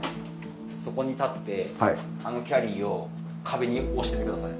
そこに立ってあのキャリーを壁に押しててください。